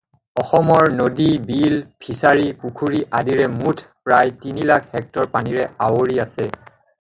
অসমৰ নদী-বিল, ফিচাৰী, পুখুৰী আদিৰে মুঠতে প্ৰায় তিনি লাখ হেক্টৰ পানীৰে আৱৰি আছে।